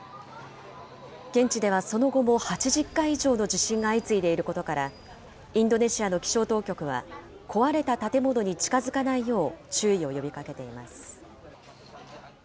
現地ではその後も８０回以上の地震が相次いでいることから、インドネシアの気象当局は、壊れた建物に近づかないよう、注意を呼びかけています。